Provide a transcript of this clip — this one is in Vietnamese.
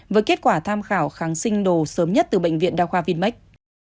với kết quả tham khảo kháng sinh đồ sớm nhất từ bệnh viện đa khoa vinmec